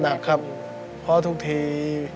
หนักครับเพราะทุกที